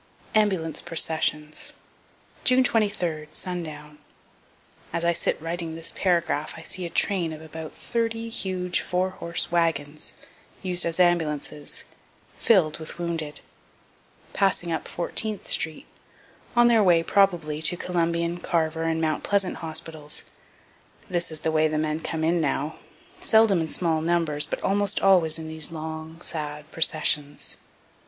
AMBULANCE PROCESSIONS June 23, Sundown. As I sit writing this paragraph I see a train of about thirty huge four horse wagons, used as ambulances, fill'd with wounded, passing up Fourteenth street, on their way, probably, to Columbian, Carver, and Mount Pleasant hospitals. This is the way the men come in now, seldom in small numbers, but almost always in these long, sad processions.